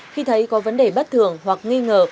khi thấy có vấn đề bất thường hoặc nghi ngờ